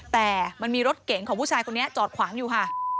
แต่มันมีรถเก๋งของผู้ชายคนนี้จอดขวางอยู่ค่ะ